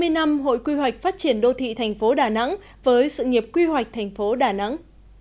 hai mươi năm hội quy hoạch phát triển đô thị thành phố đà nẵng với sự nghiệp quy hoạch thành phố đà nẵng